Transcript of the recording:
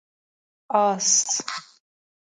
🐎 آس